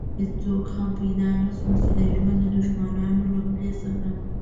هېڅوک هم پيدا نه شول چې د ژوند د دښمنانو له خولې څخه.